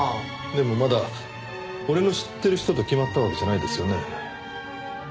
でもまだ俺の知ってる人と決まったわけじゃないですよね？